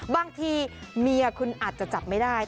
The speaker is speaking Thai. บางทีเมียคุณอาจจะจับไม่ได้